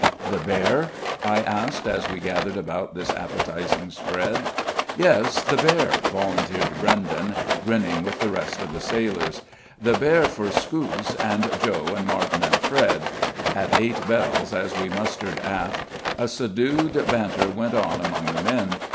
"The bear?" I asked, as we gathered about this appetizing spread. "Yes, the bear," volunteered Brenden, grinning with the rest of the sailors. "The bear for Scouse, and Joe, and Martin, and Fred." At eight bells, as we mustered aft, a subdued banter went on among the men.